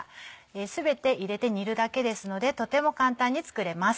全て入れて煮るだけですのでとても簡単に作れます。